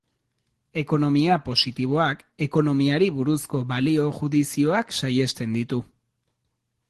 Ekonomia positiboak ekonomiari buruzko balio-judizioak saihesten ditu.